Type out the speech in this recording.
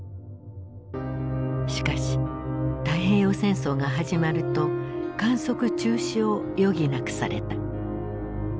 しかし太平洋戦争が始まると観測中止を余儀なくされた。